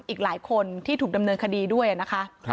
อีกหลายคนที่ถูกดำเนินคดีด้วยนะคะ